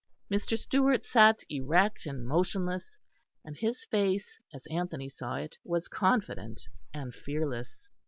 Mr. Stewart sat erect and motionless, and his face as Anthony saw it was confident and fearless.